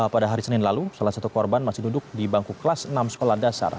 pada hari senin lalu salah satu korban masih duduk di bangku kelas enam sekolah dasar